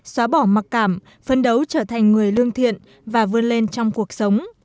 xóa bỏ mặc cảm phân đấu trở thành người lương thiện và vươn lên trong cuộc sống